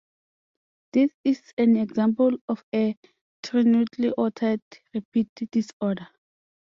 This is an example of a Trinucleotide repeat disorder.